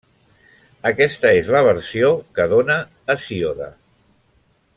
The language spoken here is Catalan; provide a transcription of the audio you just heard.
Aquesta és la versió que dóna Hesíode.